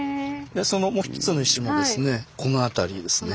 そのもう一つの石もですねこの辺りですね。